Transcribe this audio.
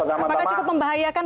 apakah cukup membahayakan